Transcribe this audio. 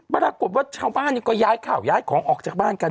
ปรากฏว่าชาวบ้านก็ย้ายข่าวย้ายของออกจากบ้านกัน